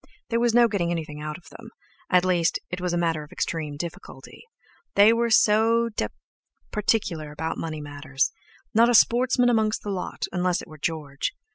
There was no getting anything out of them—at least, it was a matter of extreme difficulty. They were so d— d particular about money matters; not a sportsman amongst the lot, unless it were George.